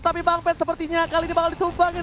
tapi bang pen sepertinya kali ini bakal ditumpangin